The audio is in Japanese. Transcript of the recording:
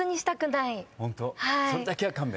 それだけは勘弁ね。